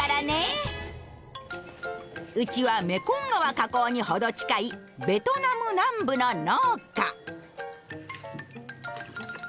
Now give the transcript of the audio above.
うちはメコン川河口に程近いベトナム南部の農家。